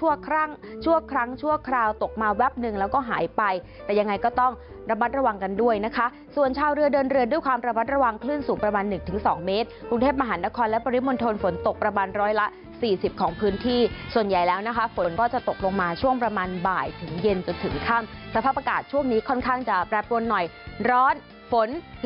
ชั่วครั้งชั่วคราวตกมาแวบหนึ่งแล้วก็หายไปแต่ยังไงก็ต้องระมัดระวังกันด้วยนะคะส่วนชาวเรือเดินเรือด้วยความระมัดระวังคลื่นสูงประมาณหนึ่งถึงสองเมตรกรุงเทพมหานครและปริมณฑลฝนตกประมาณร้อยละสี่สิบของพื้นที่ส่วนใหญ่แล้วนะคะฝนก็จะตกลงมาช่วงประมาณบ่ายถึงเย็นจนถึงค่ำสภาพอากาศช่วงนี้ค่อนข้างจะแปรปรวนหน่อยร้อนฝนแล้ว